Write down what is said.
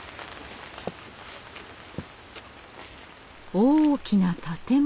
大きな建物！